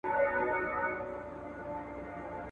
له عمرونو پکښي اوسم لا پردی راته مقام دی `